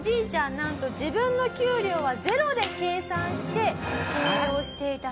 なんと自分の給料はゼロで計算して経営をしていたと。